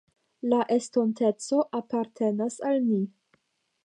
La estonteco apartenas al ni.